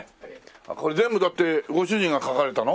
これ全部だってご主人が描かれたの？